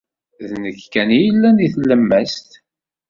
D nekk kan ay yellan deg tlemmast.